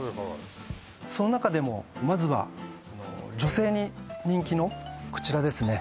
その中でもまずは女性に人気のこちらですね